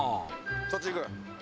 そっち行く？